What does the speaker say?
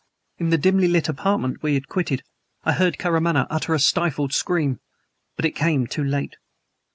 In the dimly lit apartment we had quitted I heard Karamaneh utter a stifled scream. But it came too late.